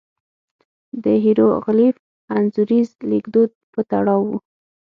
د هېروغلیف انځوریز لیکدود په تړاو وو.